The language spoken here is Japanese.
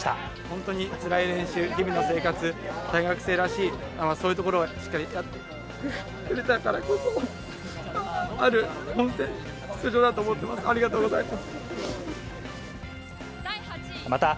本当につらい練習、日々の生活、大学生らしい、そういうところをしっかりやってくれたからこそある本戦出場だと思ってます。